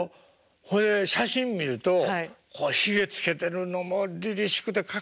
ほいで写真見るとこうヒゲつけてるのもりりしくてかっこいいんですけど。